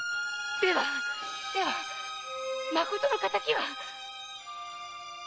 ではではまことの仇は！